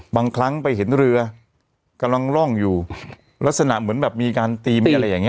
บางครั้งไปเห็นเรือกำลังร่องอยู่ลักษณะเหมือนแบบมีการตีมีอะไรอย่างเ